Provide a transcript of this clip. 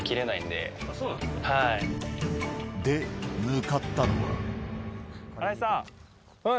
で、向かったのは。